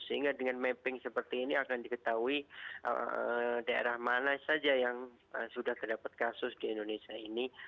sehingga dengan mapping seperti ini akan diketahui daerah mana saja yang sudah terdapat kasus di indonesia ini